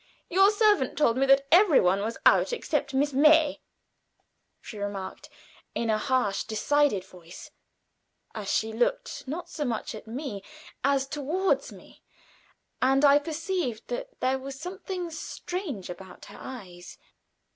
"Your servant told me that every one was out except Miss May," she remarked, in a harsh, decided voice, as she looked not so much at me as toward me, and I perceived that there was something strange about her eyes.